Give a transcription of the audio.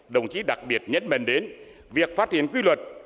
đồng chí đặc biệt nhấn mạnh đến việc phát hiện quy luật